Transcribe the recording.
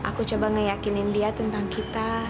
aku coba ngeyakinin dia tentang kita